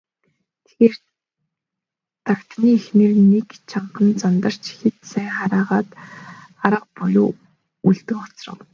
Тэгсээр, Дагданы эхнэр нэг чангахан зандарч хэд сайн хараагаад арга буюу үлдэн хоцров.